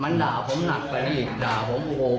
มันด่าผมหนักไปนี่เดี๋ยวก็ได้ยินและก็ด่ากัน